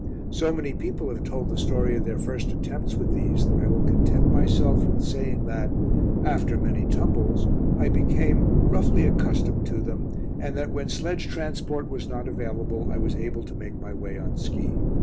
So many people have told the story of their first attempts with these that I will content myself with saying that, after many tumbles, I became roughly accustomed to them, and that when sledge transport was not available, I was able to make my way on ski.